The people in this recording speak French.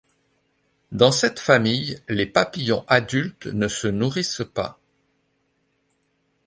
Dans cette famille, les papillons adultes ne se nourrissent pas.